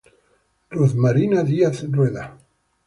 Ruth Marina Díaz Rueda.